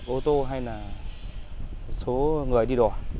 ô tô hay là số người đi đỏ